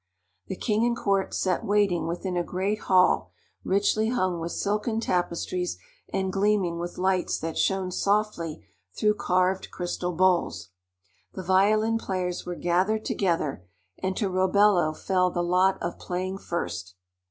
The king and court sat waiting within a great hall richly hung with silken tapestries and gleaming with lights that shone softly through carved crystal bowls. The violin players were gathered together, and to Robello fell the lot of playing first.